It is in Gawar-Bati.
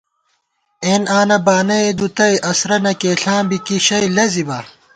اېن آنہ بانَئےدُتَئی اَسرَہ نہ کېئیېݪاں بی کی شئ لِزِبا